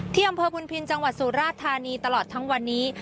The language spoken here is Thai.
ที่อำเภอบุญพินจังหวัดสุราธานีตลอดทั้งวันนี้